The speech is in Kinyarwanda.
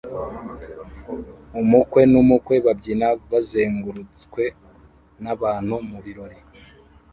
Umukwe n'umukwe babyina bazengurutswe n'abantu mu birori